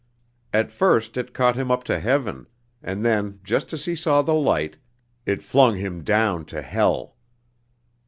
At first, it caught him up to heaven, and then just as he saw the light, it flung him down to hell.